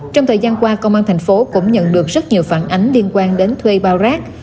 trong thời gian qua công an thành phố cũng nhận được rất nhiều phản ánh liên quan đến thuê bao rác